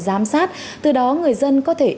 giám sát từ đó người dân có thể